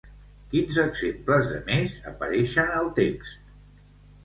Quins exemples de mes apareixen al text?